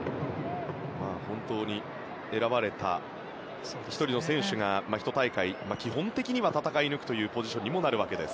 選ばれた１人の選手が１大会、基本的には戦い抜くポジションになるわけです。